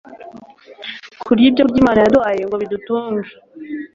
kurya ibyokurya Imana yaduhaye ngo bidutunge!